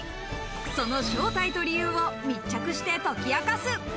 その正体と理由を密着して解き明かす。